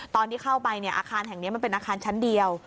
ตอนที่เข้าไปอาคารแห่งนี้มันเป็นอาคารชั้นเดียว